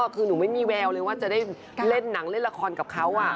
คือหนูไม่มีแววเลยว่าจะได้เล่นหนังเล่นละครกับเขา